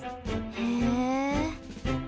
へえ！